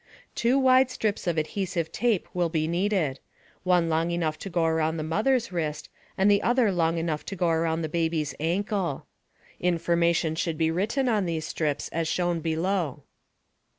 Two wide strips of adhesive tape will be needed one long enough to go around the mother's wrist, and the other long enough to go around the baby's ankle. Information should be written on these strips as shown below.